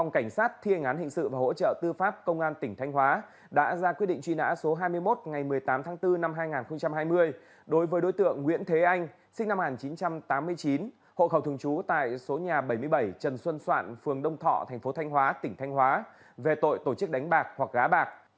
người đối tượng nguyễn thế anh sinh năm một nghìn chín trăm tám mươi chín hộ khẩu thường trú tại số nhà bảy mươi bảy trần xuân soạn phường đông thọ thành phố thanh hóa tỉnh thanh hóa về tội tổ chức đánh bạc hoặc gá bạc